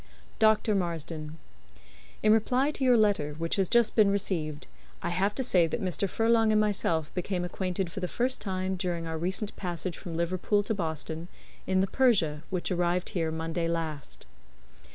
"DR. MARSDEN: "In reply to your letter, which has just been received, I have to say that Mr. Furlong and myself became acquainted for the first time during our recent passage from Liverpool to Boston, in the Persia, which arrived here Monday last.